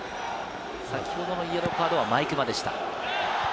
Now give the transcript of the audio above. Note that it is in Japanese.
先ほどのイエローカードは毎熊でした。